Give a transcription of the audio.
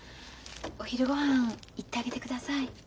お昼ごはん行ってあげてください。